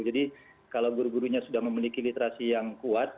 jadi kalau guru gurunya sudah memiliki literasi yang kuat